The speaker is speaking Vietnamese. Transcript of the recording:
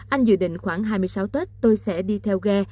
anh dự định khoảng hai mươi sáu tết tôi sẽ đi theo ghe